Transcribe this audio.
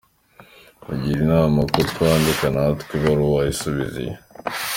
Mugira inama ko twandika natwe ibaruwa isubiza iyo.